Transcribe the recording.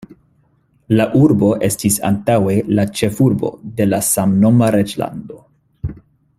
La urbo estis antaŭe la ĉefurbo de la samnoma reĝlando.